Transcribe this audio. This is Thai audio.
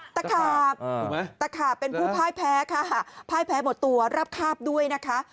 ตะขาบตะขาบเป็นผู้พ่ายแพ้ค่ะพ่ายแพ้หมดตัวรับคาบด้วยนะคะ